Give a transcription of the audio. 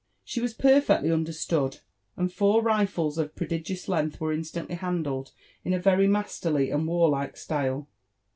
She was perfectly under»tdod, and four rifles of prodigious length were instantly handled in a vwy Biasterly and warlike style.